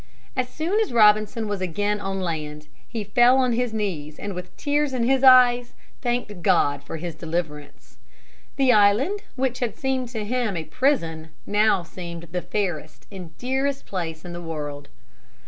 As soon as Robinson was again on land he fell on his knees and with tears in his eyes thanked God for his deliverance. The island which had seemed to him a prison now seemed the fairest and dearest place in the world.